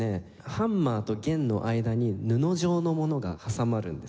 ハンマーと弦の間に布状のものが挟まるんですね。